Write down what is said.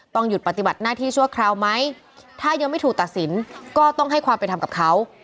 หยุดปฏิบัติหน้าที่ชั่วคราวไหมถ้ายังไม่ถูกตัดสินก็ต้องให้ความเป็นธรรมกับเขา